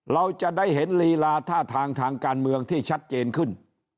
เราจะได้เห็นลีลาท่าทางทางการเมืองที่ชัดเจนขึ้น